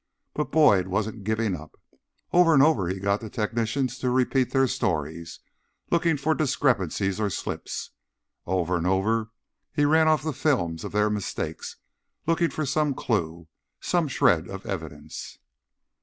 But Boyd wasn't giving up. Over and over he got the technicians to repeat their stories, looking for discrepancies or slips. Over and over he ran off the films of their mistakes, looking for some clue, some shred of evidence.